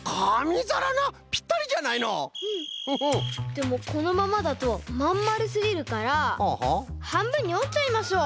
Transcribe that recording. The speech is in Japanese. でもこのままだとまんまるすぎるからはんぶんにおっちゃいましょう。